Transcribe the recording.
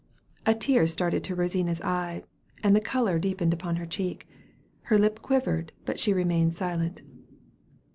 A tear started to Rosina's eye, and the color deepened upon her cheek. Her lip quivered, but she remained silent.